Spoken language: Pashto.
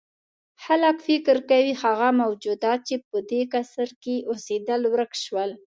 خلک فکر کوي هغه موجودات چې په دې قصر کې اوسېدل ورک شول.